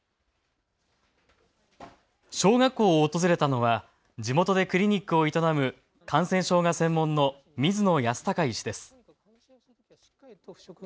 小学校を訪れたのは地元でクリニックを営む感染症が専門の水野康孝医師です。